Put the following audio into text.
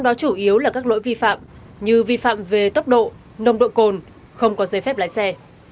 nó chủ yếu là các lỗi vi phạm như vi phạm về tốc độ nồng độ cồn không có giấy phép lái xe